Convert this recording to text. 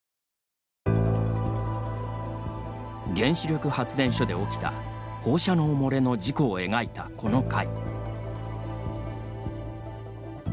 原子力発電所で起きた放射能漏れの事故を描いたこの回。